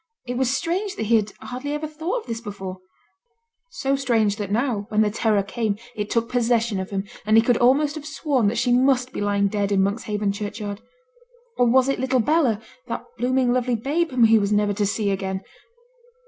It was strange that he had hardly ever thought of this before; so strange, that now, when the terror came, it took possession of him, and he could almost have sworn that she must be lying dead in Monkshaven churchyard. Or was it little Bella, that blooming, lovely babe, whom he was never to see again?